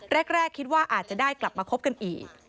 แรกคิดว่าอาจจะได้กลับมาคบกันอีก